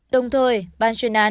đồng thời bàn truyền án